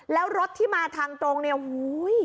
และรถที่มาทางตรงโอ้โห